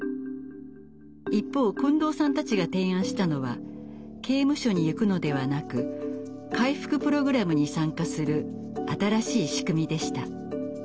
一方近藤さんたちが提案したのは刑務所に行くのではなく回復プログラムに参加する新しい仕組みでした。